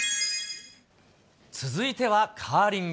続いてはカーリング。